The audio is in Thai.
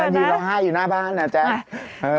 อยู่รอห้าอยู่หน้าบ้านแจ็กซ์นะฮะฮะ